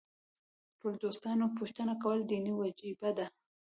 پر دوستانو پوښتنه کول دیني وجیبه ده.